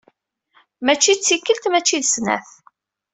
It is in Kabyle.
Mačči d tikkelt mačči d snat.